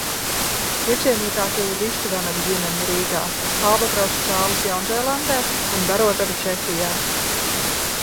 Iecienītākie ir vistu vanagu ģimene Rīgā, albatrosa cālis Jaunzēlandē un barotava Čehijā.